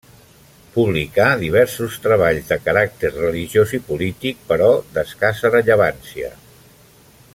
Publicà diversos treballs de caràcter religiós i polític, però d'escassa rellevància.